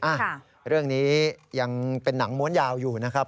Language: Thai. อ่ะเรื่องนี้ยังเป็นหนังม้วนยาวอยู่นะครับ